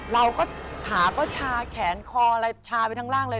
เราก็ขาก็ชาแขนคออะไรชาไปทั้งร่างเลย